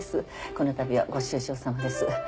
このたびはご愁傷さまです。